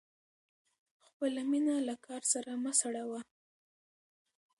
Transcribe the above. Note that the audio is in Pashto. خپله مینه له کار سره مه سړوه.